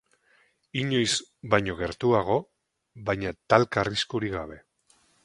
Inoiz baino gertuago, baina talka arriskurik gabe.